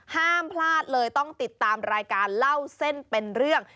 ห้ามพลาดเลยต้องติดตามรายการเล่าเส้นเป็นเรื่อง